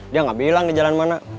dia nggak bilang di jalan mana